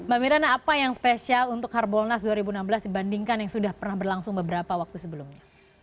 mbak mirana apa yang spesial untuk harbolnas dua ribu enam belas dibandingkan yang sudah pernah berlangsung beberapa waktu sebelumnya